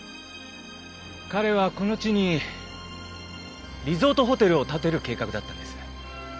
彼はこの地にリゾートホテルを建てる計画だったんです。